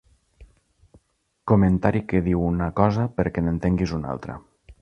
Comentari que diu una cosa perquè n'entenguis una altra.